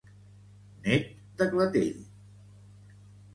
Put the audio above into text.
Net de clatell.